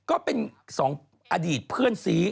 ก็เป็น๒อดีตเพื่อนซี